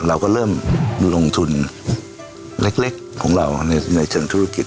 เราก็เริ่มลงทุนเล็กของเราในเชิงธุรกิจ